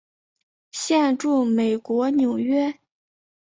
现住美国纽约。